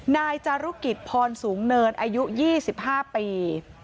นายจารุกิจพรสูงเนินอายุ๒๕ปี